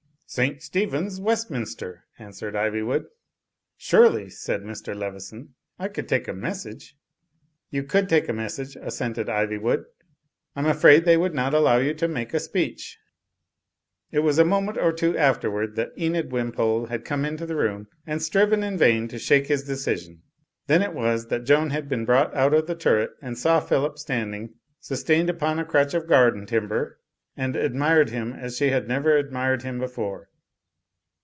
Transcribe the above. "St. Stephens, Westminster," answered Ivywood. "Surely," said Mr, Leveson, "I could take a mes sage." "You could take a message," assented Ivywood, '*I'm afraid they would not allow you to make a speech." It was a moment or two afterward that Enid Wim pole had come into the room, and striven in vain to shake his decision. Then it was that Joan had been brought out of the turret and saw Phillip standing, sustained upon a crutch of garden timber; and ad u,y,uz«u by Google 2IO THE FLYING INN mired him as she had never admired him before.